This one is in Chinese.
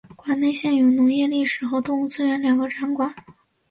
馆内现有农业历史和动物资源两个展馆。